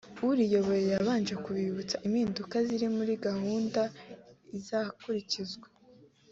uriyoboye yabanje kwibutsa impinduka ziri muri gahunda izakurikizwa